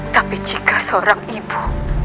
tapi jika seorang ibu